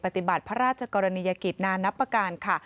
ปฏิบัติพระราชกรณียกิจนานับประการค่ะ